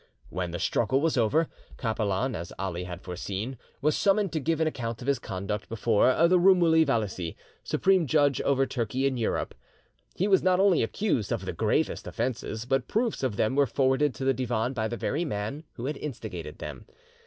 When the struggle was over, Capelan, as Ali had foreseen, was summoned to give an account of his conduct before the roumeli valicy, supreme judge over Turkey in Europe. He was not only accused of the gravest offences, but proofs of them were forwarded to the Divan by the very man who had instigated them.